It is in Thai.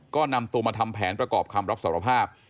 ก็นำตัวมาทำแผนประกอบคำรับสารภาพ